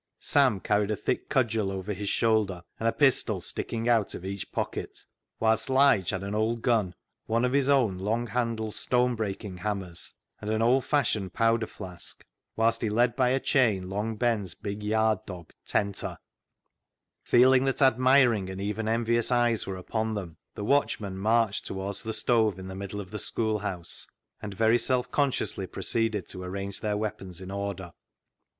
Sam carried a thick cudgel over his shoulder, and a pistol sticking out of each pocket, whilst Lige had an old gun, one of ''THE ZEAL OF THINE HOUSE" 337 his own long handled stone breaking hammers, and an old fashioned powder flask, whilst he led by a chain Long Ben's big yard dog " Tenter." Feeling that admiring and even envious eyes were upon them, the watchmen marched to wards the stove in the middle of the school house, and very self consciously proceeded to arrange their weapons in order.